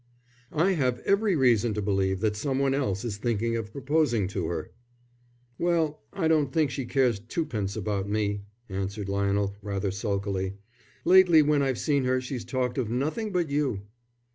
"I have every reason to believe that some one else is thinking of proposing to her." "Well, I don't think she cares twopence about me," answered Lionel, rather sulkily. "Lately when I've seen her she's talked of nothing but you."